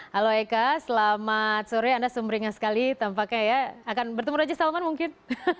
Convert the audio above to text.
halo eka selamat sore anda sumringah sekali tampaknya ya akan bertemu raja salman mungkin